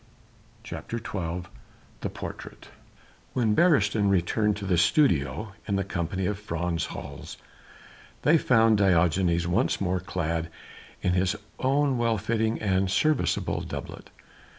CHAPTER XII THE PORTRAIT When Beresteyn returned to the studio in the company of Frans Hals they found Diogenes once more clad in his own well fitting and serviceable doublet.